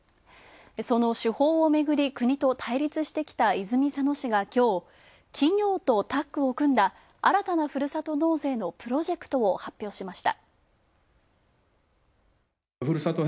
その手法をめぐり国と対立してきた泉佐野市が、きょう、企業をタッグを組んだ新たなふるさと納税のプロジェクトを発表しました。